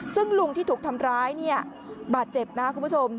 ซึ่งลุงที่ถูกทำร้ายเนี่ยบาดเจ็บนะคุณผู้ชม